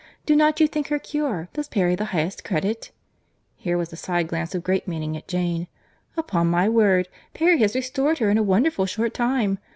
—Do not you think her cure does Perry the highest credit?—(here was a side glance of great meaning at Jane.) Upon my word, Perry has restored her in a wonderful short time!